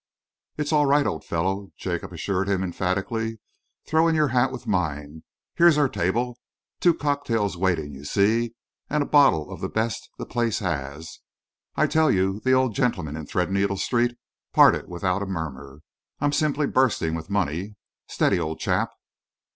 "It's all right, old fellow," Jacob assured him emphatically. "Throw in your hat with mine. Here's our table two cocktails waiting, you see, and a bottle of the best the place has I tell you the old gentleman in Threadneedle Street parted without a murmur. I'm simply bursting with money Steady, old chap!"